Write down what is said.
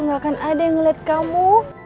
kan gak akan ada yang liat kamu